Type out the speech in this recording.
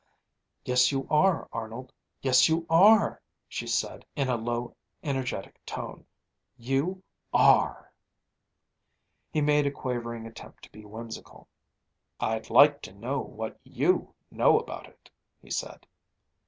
"Yes, you are, Arnold; yes, you are!" she said in a low, energetic tone, "you are!" He made a quavering attempt to be whimsical. "I'd like to know what you know about it!" he said.